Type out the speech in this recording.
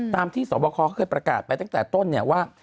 ที่สวบคอเขาเคยประกาศไปตั้งแต่ต้นเนี่ยว่า